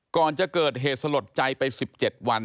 ก่อนจะเกิดเหตุสลดใจไป๑๗วัน